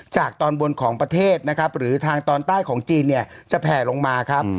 ตอนบนของประเทศนะครับหรือทางตอนใต้ของจีนเนี่ยจะแผ่ลงมาครับ